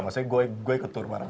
maksudnya gue ke tur marang